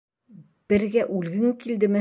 Бергә үлгең килдеме?